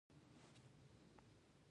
د افغانستان لومړنی او وروستنی پاچا وو.